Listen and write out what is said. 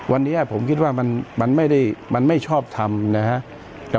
วันนี้ผมคิดว่ามันไม่ชอบทำนะครับ